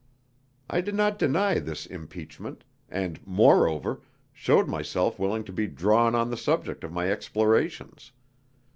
I did not deny this impeachment, and, moreover, showed myself willing to be "drawn" on the subject of my explorations.